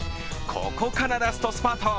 ここからラストスパート。